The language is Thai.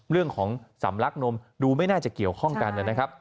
สำลักนมดูไม่น่าจะเกี่ยวข้องกันนะครับ